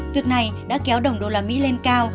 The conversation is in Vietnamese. việc này đã kéo đồng usd lên cao